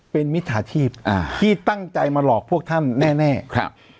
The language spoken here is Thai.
เป็นมิจฉาชีพอ่าที่ตั้งใจมาหลอกพวกท่านแน่แน่ครับ